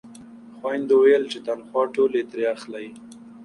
خویندو ویل چې تنخوا ټولې ترې اخلئ.